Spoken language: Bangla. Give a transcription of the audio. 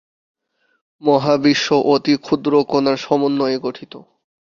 মহাবিশ্ব অতি ক্ষুদ্র কণার সমন্বয়ে গঠিত।